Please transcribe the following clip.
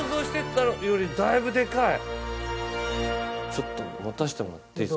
ちょっと持たせてもらっていいですか？